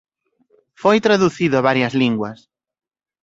Foi traducido a varias linguas.